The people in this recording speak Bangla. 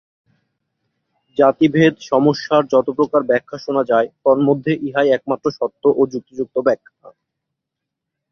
জাতিভেদ-সমস্যার যত প্রকার ব্যাখ্যা শুনা যায়, তন্মধ্যে ইহাই একমাত্র সত্য ও যুক্তিযুক্ত ব্যাখ্যা।